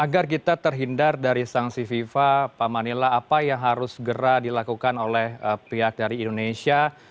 agar kita terhindar dari sanksi fifa pak manila apa yang harus segera dilakukan oleh pihak dari indonesia